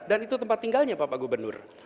dan itu tempat tinggalnya bapak gubernur